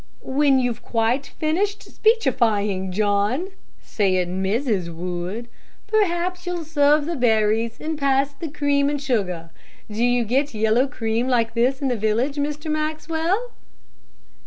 "When you've quite finished speechifying, John," said Mrs. Wood, "perhaps you'll serve the berries and pass the cream and sugar. Do you get yellow cream like this in the village, Mr. Maxwell?"